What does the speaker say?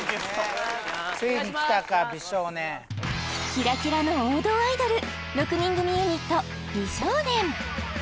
キラキラの王道アイドル６人組ユニット美少年